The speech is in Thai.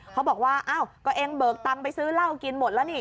เขาบอกว่าอ้าวก็เองเบิกตังค์ไปซื้อเหล้ากินหมดแล้วนี่